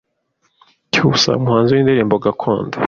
Cyusa umuhanzi w’indirimbo gakondo,